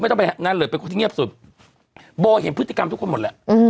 ต้องไปนั่นเลยเป็นคนที่เงียบสุดโบเห็นพฤติกรรมทุกคนหมดแหละ